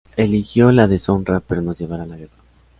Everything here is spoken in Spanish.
Eligió la deshonra, pero nos llevará a la guerra".